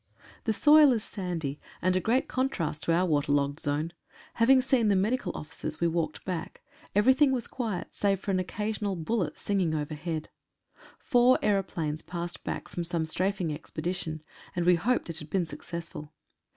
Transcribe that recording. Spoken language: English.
The soil is sandy, and a great contrast to our water logged zone. Having seen the Medical Officers we walked back. Everything was quiet, save for an occa sional bullet singing overhead. Four aeroplanes passed back from some strafing expedition, and we hoped it had been successful.